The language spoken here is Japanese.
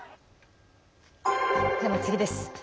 では、次です。